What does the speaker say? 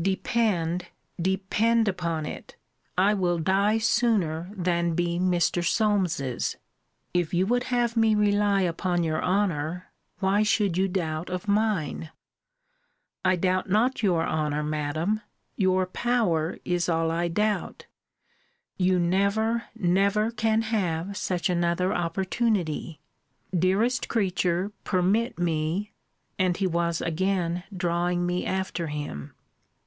Depend, depend upon it, I will die sooner than be Mr. Solmes's. If you would have me rely upon your honour, why should you doubt of mine? I doubt not your honour, Madam; your power is all I doubt. You never, never can have such another opportunity. Dearest creature, permit me and he was again drawing me after him.